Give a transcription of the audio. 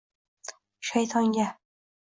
«shayton»ga